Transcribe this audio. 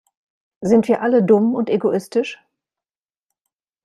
Sind wir alle dumm und egoistisch?